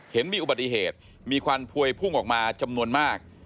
เห็นมีอุบัติเหตุมีควันพวยพุ่งออกมาจำนวนมาก